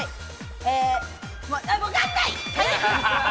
わかんない！